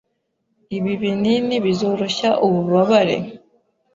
Ibi binini bizoroshya ububabare.